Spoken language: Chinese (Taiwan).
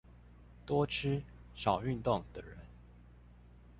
多吃少運動的人